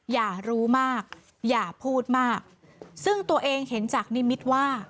อย่ารู้มากอย่าพูดมากซึ่งตัวเองเห็นจากนิมิตรว่า